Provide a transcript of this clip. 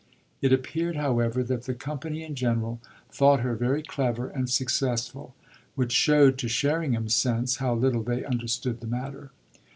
It appeared, however, that the company in general thought her very clever and successful; which showed, to Sherringham's sense, how little they understood the matter.